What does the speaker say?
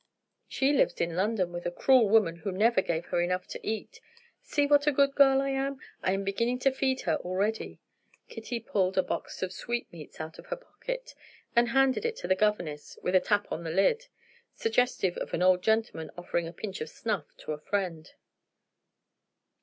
She lived in London with a cruel woman who never gave her enough to eat. See what a good girl I am? I'm beginning to feed her already." Kitty pulled a box of sweetmeats out of her pocket, and handed it to the governess with a tap on the lid, suggestive of an old gentleman offering a pinch of snuff to a friend.